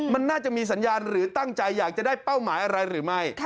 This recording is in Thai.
มันน่าจะมีสัญญาณหรือตั้งใจอยากจะได้เป้าหมายอะไรหรือไม่